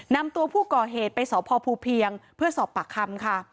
นำตัวผู้ก่อเหตุไปสพภูเพียงเพื่อสอบปากคำค่ะ